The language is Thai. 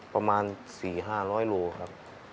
ประมาณสี่ห้าร้อยโลครับ